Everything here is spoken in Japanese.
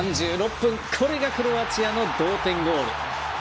３８分、これがクロアチアの同点ゴール。